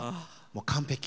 完璧！